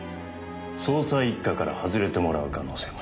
捜査一課から外れてもらう可能性も。